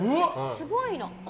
すごいの。